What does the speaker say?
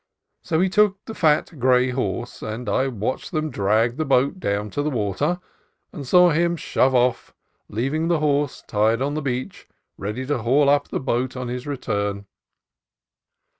So he took the fat gray horse, and I watched them drag the boat down to the water, and saw him shove off, leaving the horse tied on the beach ready to haul up the boat on his return.